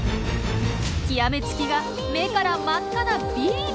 極め付きが目から真っ赤なビーム！